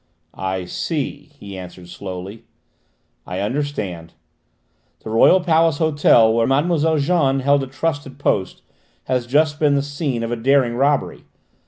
"I see!" he answered slowly. "I understand.... The Royal Palace Hotel, where Mlle. Jeanne held a trusted post, has just been the scene of a daring robbery.